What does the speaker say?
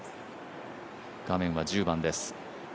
画面は１０番です。